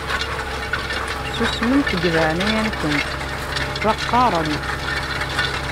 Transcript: Susmemt deg leɛnaya-nkent la qqaṛen!